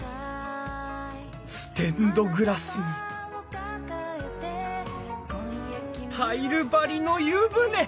ステンドグラスにタイル張りの湯船。